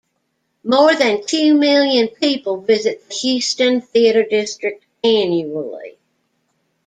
More than two million people visit the Houston Theater District annually.